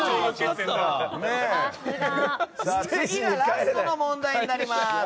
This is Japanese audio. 次がラストの問題になります。